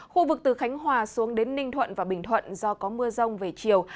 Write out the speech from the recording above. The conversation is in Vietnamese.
khu vực từ khánh hòa xuống đến ninh thuận và bình thuận do có mưa rông về chiều